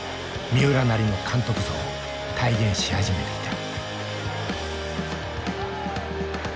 三浦なりの監督像を体現し始めていた。